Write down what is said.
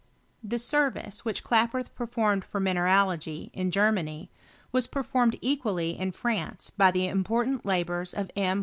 The service which Klaproth performed for mine* ralogy, in Germany, was performed equally in France by the important labours of M.